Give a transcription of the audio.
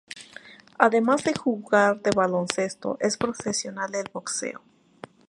Además de jugador de baloncesto, es profesional del boxeo.